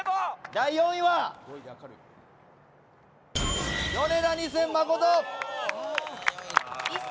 第４位はヨネダ２０００・誠。